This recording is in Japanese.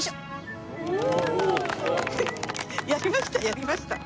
やりました！